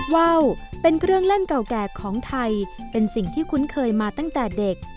ว่าวเป็นเครื่องเล่นเก่าแก่ของไทยเป็นสิ่งที่คุ้นเคยมาตั้งแต่เด็ก